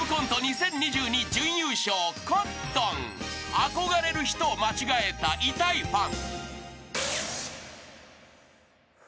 ［憧れる人を間違えた痛いファン］